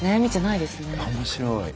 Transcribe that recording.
面白い。